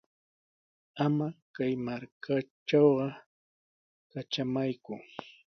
Ama kay markatrawqa katramayku.